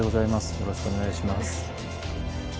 よろしくお願いします。